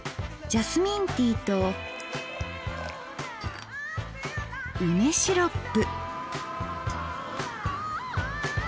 ジャスミンティーと梅シロップ。